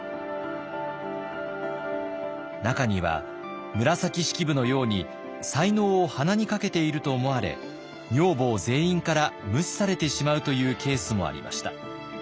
中には紫式部のように才能を鼻にかけていると思われ女房全員から無視されてしまうというケースもありました。